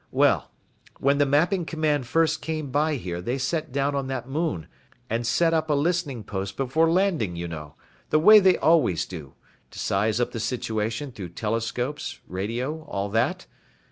Well, when the Mapping Command first came by here they set down on that Moon and set up a listening post before landing, you know, the way they always do, to size up the situation through telescopes, radio, all that.